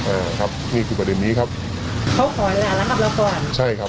อ่าครับนี่คือประเด็นนี้ครับเขาขอเวลารับเราก่อนใช่ครับ